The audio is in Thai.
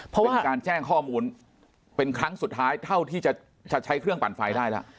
เพราะว่าเป็นการแจ้งข้อมูลเป็นครั้งสุดท้ายเท่าที่จะใช้เครื่องปั่นไฟได้แล้ว